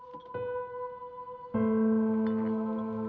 gak ada yang bisa dihukum